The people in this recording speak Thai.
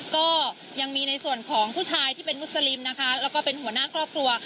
ก็ยังมีในส่วนของผู้ชายที่เป็นมุสลิมนะคะแล้วก็เป็นหัวหน้าครอบครัว